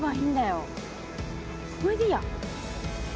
これでいいや。